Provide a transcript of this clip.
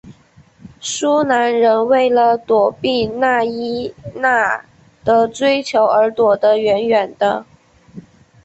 芬兰人为了躲避纳伊娜的追求而躲得远远的。